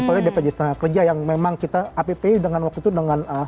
dan juga bpjs tenaga kerja yang memang kita appi dengan waktu itu dengan